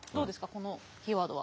このキーワードは。